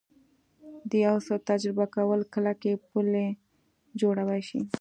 د یو څه تجربه کول کلکې پولې جوړولی شي